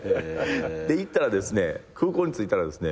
行ったら空港に着いたらですね